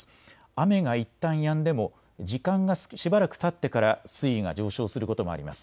雨がいったんやんでも時間がしばらくたってから水位が上昇することもあります。